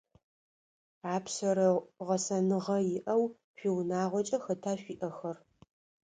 Апшъэрэ гъэсэныгъэ иӏэу шъуиунагъокӏэ хэта шъуиӏэхэр?